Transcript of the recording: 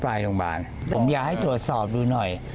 โรงพยาบาลผมอยากให้ตรวจสอบดูหน่อย